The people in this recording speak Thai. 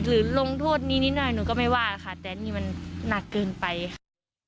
หรือลงโทษนี้นิดหน่อยหนูก็ไม่ว่าค่ะแต่นี่มันนักเกินไป